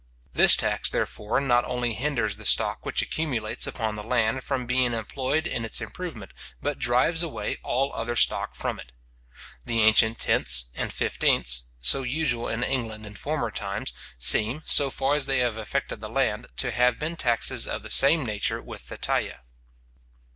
This tax, therefore, not only hinders the stock which accumulates upon the land from being employed in its improvement, but drives away all other stock from it. The ancient tenths and fifteenths, so usual in England in former times, seem, so far as they affected the land, to have been taxes of the same nature with the taille.